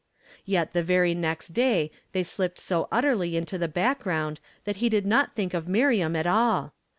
_ Yet the very next day they slipped so utterly into tlie background that he did not think of Mir iam at all.